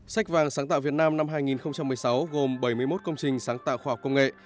sách vàng sáng tạo việt nam năm hai nghìn một mươi sáu gồm bảy mươi một công trình sáng tạo khoa học công nghệ